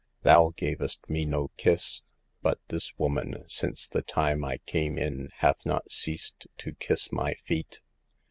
" Thou gavest me no kiss ; but this woman, since the time I came in, hath not ceased to kiss my feet.